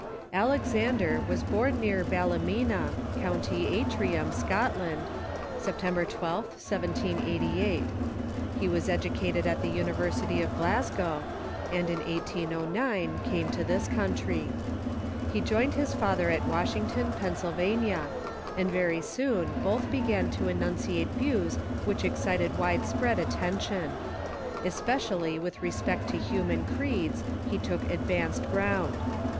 Alexander was born near Ballymena, Coun t}'^ Antrim, Ireland, September 12th, 1788. He was educated at the University of Glasgow, and in 1809 came to this coun try. He joined his father at Washington, Pennsylvania, and very soon both began to enunciate views which excited wide spread attention. Especially with respect to human creeds he took advanced ground.